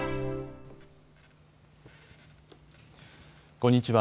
こんにちは。